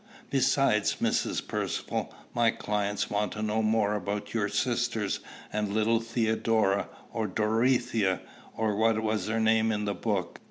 Besides, Mrs. Percivale, my clients want to know more about your sisters, and little Theodora, or Dorothea, or what was her name in the book?"